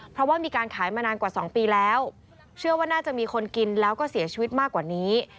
เพราะว่ามีการขายมานานกว่า๒ปีแล้วเชื่อว่าน่าจะมีคนกินแล้วก็เสียชีวิตมากกว่านี้